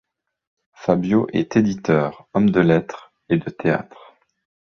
Fabio est éditeur, homme de lettres et de théâtre.